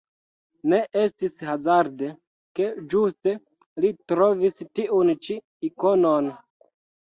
Ne estis hazarde, ke ĝuste li trovis tiun ĉi ikonon.